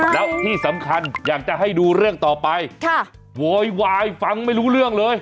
แล้วที่สำคัญอยากจะให้ดูเรื่องต่อไปโวยวายฟังไม่รู้เรื่องเลย